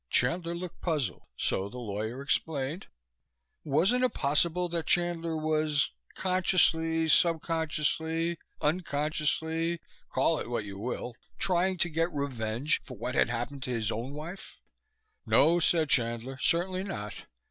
Chandler looked puzzled, so the lawyer explained. Wasn't it possible that Chandler was consciously, subconsciously, unconsciously, call it what you will trying to get revenge for what had happened to his own wife? No, said Chandler, certainly not!